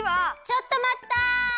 ちょっとまった！